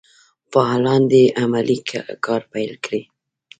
فعالان دي عملي کار پیل کړي.